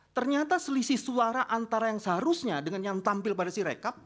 ternyata selisih suara antara yang seharusnya dengan yang tampil pada si rekap